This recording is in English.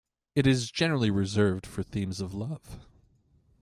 It is generally reserved for themes of love.